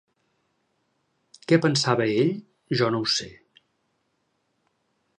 Què pensava ell, jo no ho sé.